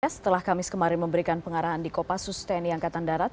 setelah kamis kemarin memberikan pengarahan di kopassus tni angkatan darat